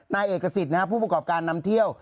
นายเอกสิทธิ์ผู้ประกอบการนำเที่ยว